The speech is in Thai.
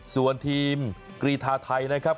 ส่วนทีมกรีธาไทยนะครับ